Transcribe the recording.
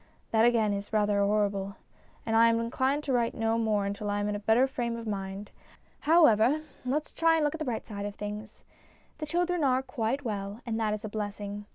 That, again, is rather horrible, and I am inclined to write no more until I am in a better frame of mind. However, let's try and look at the bright side of things. The children are quite well, and that is a blessing.